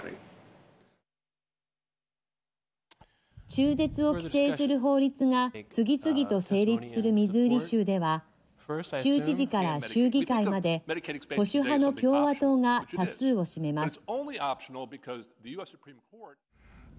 中絶を規制する法律が次々と成立するミズーリ州では州知事から州議会まで保守派の共和党が多数を占めます。